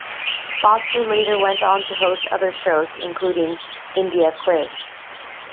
Basu later went on to host other shows, including "India Quiz".